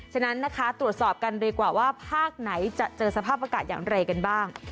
ฉะนั้นนะคะตรวจสอบกันดีกว่าว่าภาคไหนจะเจอสภาพอากาศอย่างไรกันบ้าง